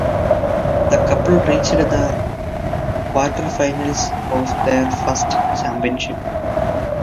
The couple reached the quarterfinals of their first championship.